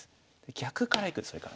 逆からいくんですそれから。